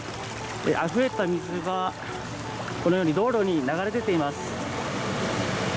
あふれた水が、このように道路に流れ出ています。